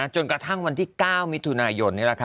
จนกระทั่งวันที่๙มิถุนายน